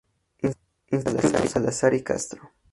Instituto "salazar y Castro".